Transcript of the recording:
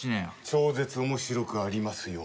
超絶面白くありますように。